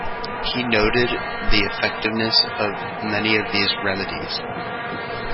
He noted the effectiveness of many of these remedies.